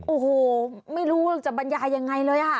โอ้โหไม่รู้จะบรรยายังไงเลยอ่ะ